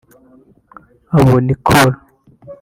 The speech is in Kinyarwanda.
Abo ni Col